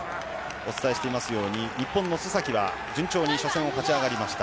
お伝えしていますように日本の須崎は順調に初戦を勝ち上がりました。